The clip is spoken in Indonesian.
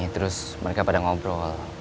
terus mereka pada ngobrol